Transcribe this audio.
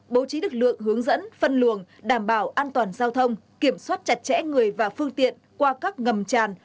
bố trí lực lượng hướng dẫn phân luồng đảm bảo an toàn giao thông kiểm soát chặt chẽ người và phương tiện qua các ngầm tràn